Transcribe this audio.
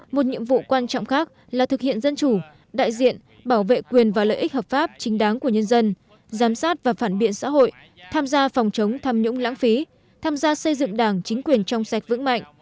một nhiệm vụ quan trọng khác là thực hiện dân chủ đại diện bảo vệ quyền và lợi ích hợp pháp chính đáng của nhân dân giám sát và phản biện xã hội tham gia phòng chống tham nhũng lãng phí tham gia xây dựng đảng chính quyền trong sạch vững mạnh